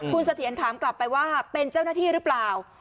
คุณเสถียรถามกลับไปว่าเป็นเจ้าหน้าที่หรือเปล่า